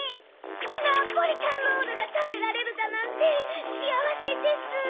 ナポリタンロールがたべられるだなんてしあわせです！